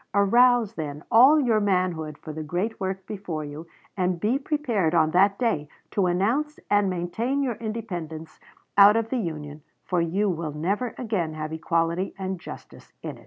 Arouse, then, all your manhood for the great work before you, and be prepared on that day to announce and maintain your independence out of the Union, for you will never again have equality and justice in it."